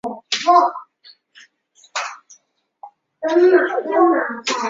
以往为车站及职员居所的结合建筑。